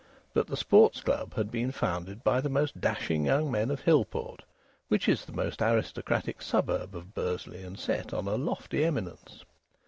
But the Sports Club had been founded by the most dashing young men of Hillport, which is the most aristocratic suburb of Bursley and set on a lofty eminence.